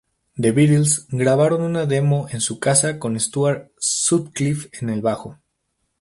The Beatles grabaron una demo en su casa, con Stuart Sutcliffe en el bajo.